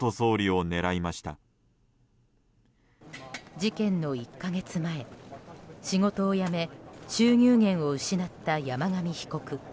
事件の１か月前、仕事を辞め収入源を失った山上被告。